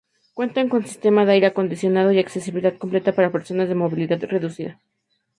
Cuentan con sistema de aire acondicionado y accesibilidad completa para personas con movilidad reducida.